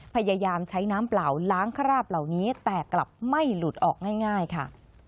พยายามใช้น้ำเปล่าล้างคราบเหล่านี้แต่กลับไม่หลุดออกง่ายค่ะ